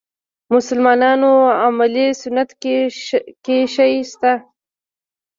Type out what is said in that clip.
مسلمانانو عملي سنت کې شی شته.